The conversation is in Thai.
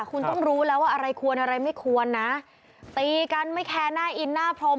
คุณต้องรู้แล้วว่าอะไรควรอะไรไม่ควรนะตีกันไม่แคร์หน้าอินหน้าพรม